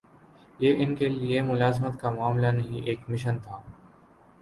یہ ان کے لیے ملازمت کا معاملہ نہیں، ایک مشن تھا۔